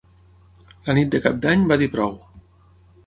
La nit de Cap d'Any va dir prou.